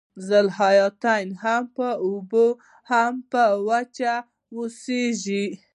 ذوحیاتین هم په اوبو او هم په وچه اوسیږي